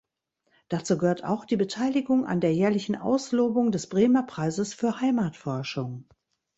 Dazu gehört auch die Beteiligung an der jährlichen Auslobung des Bremer Preises für Heimatforschung.